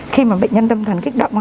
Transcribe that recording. khi mà bệnh nhân tâm thần kích động